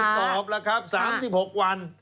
กดดันรีบสอบล่ะครับ๓๖วัน